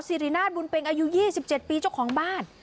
สิรินาทบุญเป็งอายุ๒๗ปีเจ้าของบ้าน